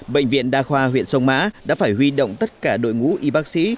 bệnh viện đa khoa huyện sông mã đã phải huy động tất cả đội ngũ y bác sĩ